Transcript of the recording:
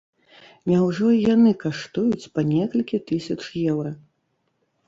Няўжо і яны каштуюць па некалькі тысяч еўра?